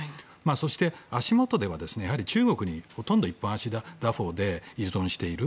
そして、足元では中国にほとんど一本足打法で依存している。